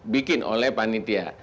bikin oleh panitia